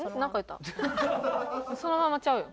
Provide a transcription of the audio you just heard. そのままちゃうよ。